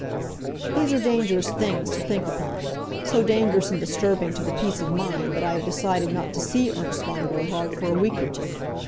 These are dangerous things to think upon. So dangerous and disturbing to the peace of mind that I have decided not to see Ernst von Gerhard for a week or two.